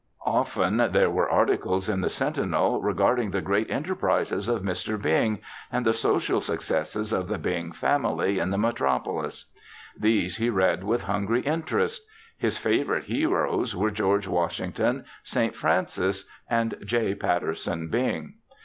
Often there were articles in the Sentinel regarding the great enterprises of Mr. Bing and the social successes of the Bing family in the metropolis. These he read with hungry interest. His favorite heroes were George Washington, St. Francis and J. Patterson Bing.